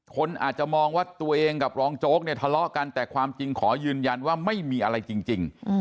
คนอาจจะมองว่าตัวเองกับรองโจ๊กเนี่ยทะเลาะกันแต่ความจริงขอยืนยันว่าไม่มีอะไรจริง